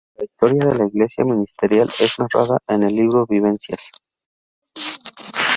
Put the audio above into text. La historia de la Iglesia Ministerial es narrada en el libro Vivencias.